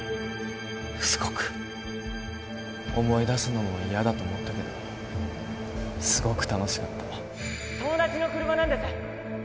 すごく思い出すのも嫌だと思ったけどすごく楽しかった友達の車なんです